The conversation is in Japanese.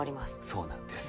そうなんです。